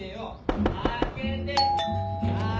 開けて！